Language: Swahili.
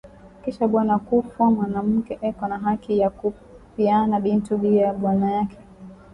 Kisha bwana kufwa manamuke eko na haki ya ku piana bintu bia bwana yake